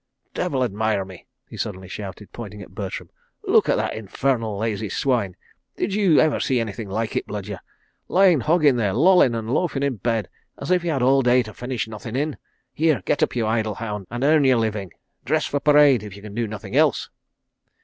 "Devil admire me!" he suddenly shouted, pointing at Bertram. "Look at that infernal lazy swine! Did you ever see anything like it, Bludyer? Lying hogging there, lolling and loafing in bed, as if he had all day to finish nothing in! ... Here, get up, you idle hound, and earn your living. Dress for parade, if you can do nothing else."